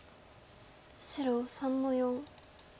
白３の四。